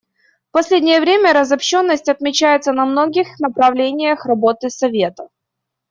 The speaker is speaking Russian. В последнее время разобщенность отмечается на многих направлениях работы Совета.